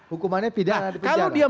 hukumannya pidana di penjara nah kalau dia